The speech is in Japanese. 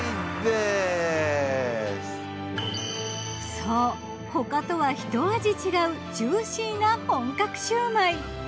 そう他とはひと味違うジューシーな本格焼売。